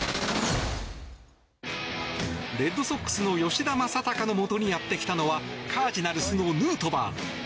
レッドソックスの吉田正尚のもとにやってきたのはカージナルスのヌートバー。